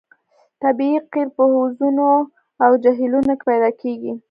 طبیعي قیر په حوضونو او جهیلونو کې پیدا کیږي